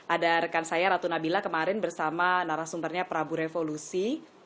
ada rekan saya ratu nabila kemarin bersama narasumbernya prabu revolusi